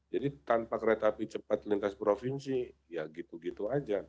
jadi tanpa kereta api cepat lintas provinsi ya gitu gitu aja